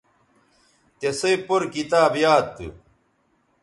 تِسئ پور کتاب یاد تھو